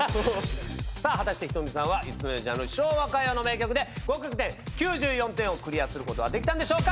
果たしてｈｉｔｏｍｉさんは３つ目のジャンル昭和歌謡の名曲で合格点９４点をクリアすることはできたんでしょうか。